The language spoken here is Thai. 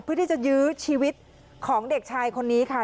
เพื่อที่จะยื้อชีวิตของเด็กชายคนนี้ค่ะ